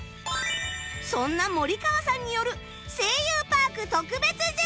そんな森川さんによる『声優パーク』特別授業！